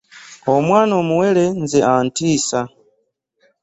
Omwaana omuwere nze antiisa.